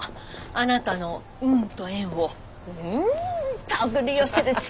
あなたの運と縁を手繰り寄せる力よね。